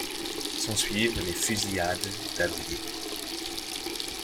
S'ensuivent les fusillades d'Avrillé.